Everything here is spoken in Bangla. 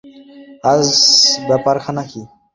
আজ ব্যাপারখানা কী?